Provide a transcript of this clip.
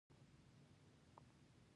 اوږدمهاله درد د فکر لوری اړوي.